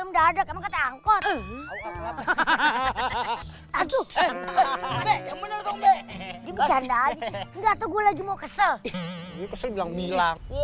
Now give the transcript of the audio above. enggak tuh gue lagi mau kesel